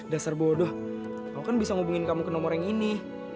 dasar bodoh kamu kan bisa hubungin kamu ke nomor yang ini